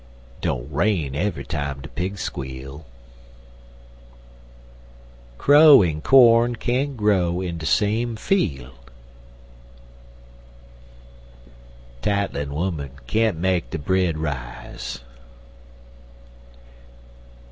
Don't rain eve'y time de pig squeal. Crow en corn can't grow in de same fiel'. Tattlin' 'oman can't make de bread rise.